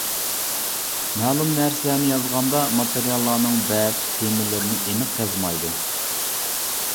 مەلۇم نەرسىلەرنى يازغاندا، ماتېرىياللارنىڭ بەت، تېمىلىرىنى ئېنىق يازمايدۇ.